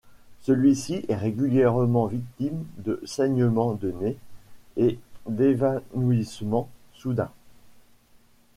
Celui-ci est régulièrement victime de saignements de nez et d'évanouissements soudains.